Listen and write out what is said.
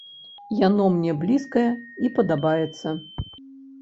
Яно мне блізкае і падабаецца.